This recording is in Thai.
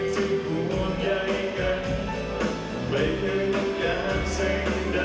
ฉันนั้นคงไม่มีเสียง